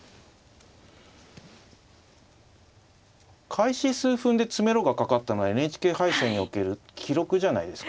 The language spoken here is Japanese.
開始数分で詰めろがかかったのはＮＨＫ杯戦における記録じゃないですか？